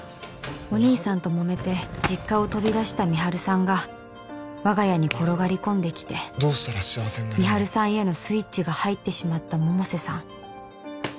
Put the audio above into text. お義兄さんともめて実家を飛びだした美晴さんが我が家に転がり込んできて美晴さんへのスイッチが入ってしまった百瀬さん